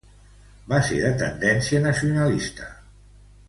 Va ser de tendència nacionalista.